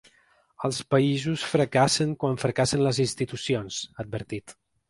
Els països fracassen quan fracassen les institucions, ha advertit.